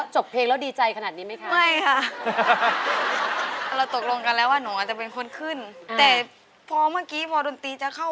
จริงเมื่อกี้พอดนตรีจะเข้า